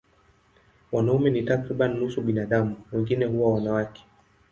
Wanaume ni takriban nusu ya binadamu, wengine huwa wanawake.